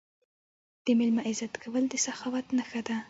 د میلمه عزت کول د سخاوت نښه ده.